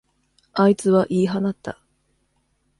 あいつは言い放った。